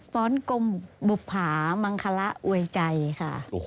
้อนกลมบุภามังคละอวยใจค่ะ